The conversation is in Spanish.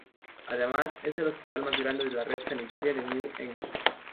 Además es el hospital más grande de la red sanitaria de New England.